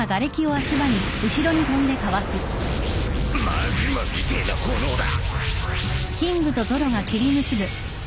マグマみてえな炎だ！